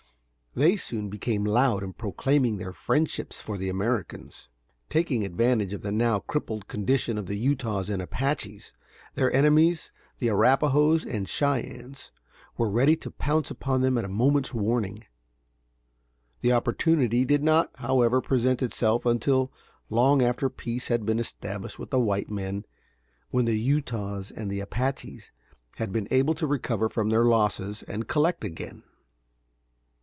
They soon became loud in proclaiming their friendships for the Americans. Taking advantage of the now crippled condition of the Utahs and Apaches, their enemies the Arrapahoes and Cheyennes were ready to pounce upon them at a moment's warning. The opportunity did not, however, present itself until long after peace had been established with the white men, when the Utahs and Apaches had been able to recover from their losses and collect again.